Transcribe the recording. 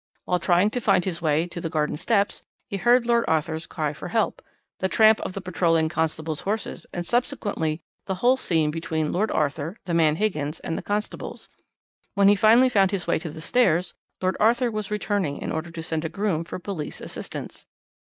While trying to find his way to the garden steps he heard Lord Arthur's cry for help, the tramp of the patrolling constables' horses, and subsequently the whole scene between Lord Arthur, the man Higgins, and the constables. When he finally found his way to the stairs, Lord Arthur was returning in order to send a groom for police assistance.